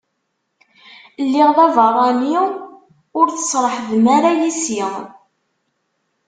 Lliɣ d abeṛṛani, ur testeṛḥbem ara yes-i.